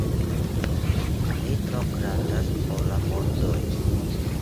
Li tro grandas por la pordoj